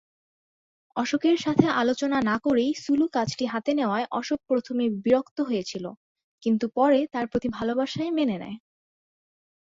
অশোকের সাথে আলোচনা না করেই সুলু কাজটি হাতে নেওয়ায় অশোক প্রথমে বিরক্ত হয়েছিল, কিন্তু পরে তার প্রতি ভালবাসায় মেনে নেয়।